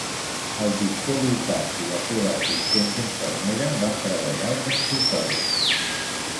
El doctor Lucase i la seva assistent d'infermera van treballar al consultori.